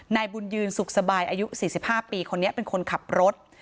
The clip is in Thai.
นายบุญยืนสุขสบายอายุ๔๕ปีคนนี้เป็นคนขับรถ